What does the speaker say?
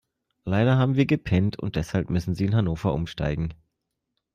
Leider haben wir gepennt und deshalb müssen Sie in Hannover umsteigen.